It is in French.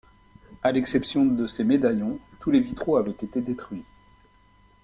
À l’exception de ces médaillons, tous les vitraux avaient été détruits.